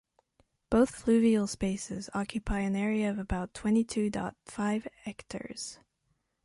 Both fluvial spaces occupy an area of about twenty-two dot five hectares.